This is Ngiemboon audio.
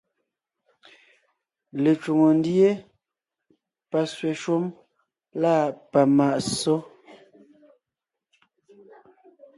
Lecwòŋo ndíe, pasẅɛ̀ shúm lâ pamàʼ ssó;